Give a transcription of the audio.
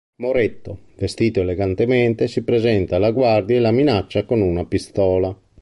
Moretto, vestito elegantemente, si presenta alla guardia e la minaccia con una pistola.